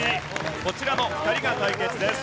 こちらの２人が対決です。